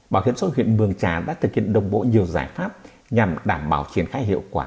bảo hiểm xã hội huyện mường trà đã thực hiện đồng bộ nhiều giải pháp nhằm đảm bảo triển khai hiệu quả